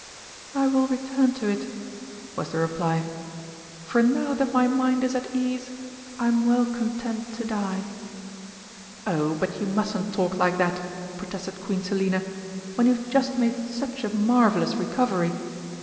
"I will return to it," was the reply, "for now that my mind is at ease I am well content to die." "Oh, but you mustn't talk like that!" protested Queen Selina, "when you've just made such a marvellous recovery!